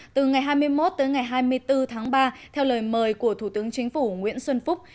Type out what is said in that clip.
từ ngày hai mươi một tới ngày hai mươi bốn tháng ba theo lời mời của thủ tướng chính phủ nguyễn xuân phúc